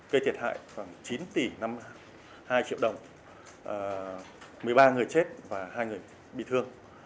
gây thiệt hại khoảng chín tỷ hai triệu đồng một mươi ba người chết và hai người bị thương